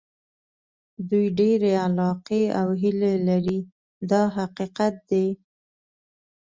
دوی ډېرې علاقې او هیلې لري دا حقیقت دی.